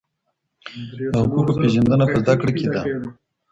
د حقوقو پيژندنه په زده کړه کي ده.